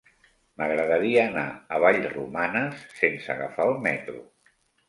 M'agradaria anar a Vallromanes sense agafar el metro.